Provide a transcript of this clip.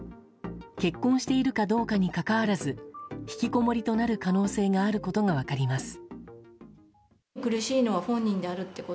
結婚しているかどうかにかかわらずひきこもりとなる可能性があることが分かります。